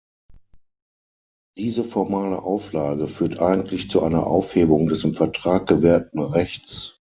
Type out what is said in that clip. Diese formale Auflage führt eigentlich zu einer Aufhebung des im Vertrag gewährten Rechts.